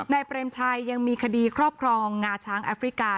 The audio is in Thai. เปรมชัยยังมีคดีครอบครองงาช้างแอฟริกา